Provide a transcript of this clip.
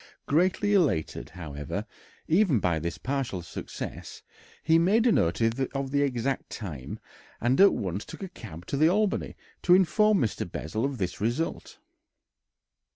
Greatly elated, however, even by this partial success, he made a note of the exact time, and at once took a cab to the Albany to inform Mr. Bessel of this result.